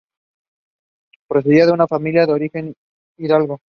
Procedía de una familia de origen hidalgo.